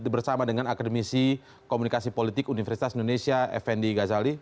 bersama dengan akademisi komunikasi politik universitas indonesia fnd gazali